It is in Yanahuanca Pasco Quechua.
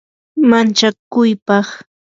manchakuypaq